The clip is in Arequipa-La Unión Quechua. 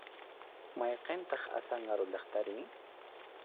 ¿Mayniqtaq Azángaro llaqtari?